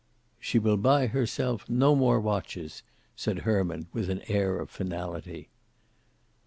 "She will buy herself no more watches," said Herman, with an air of finality.